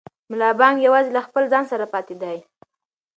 ملا بانګ یوازې له خپل ځان سره پاتې دی.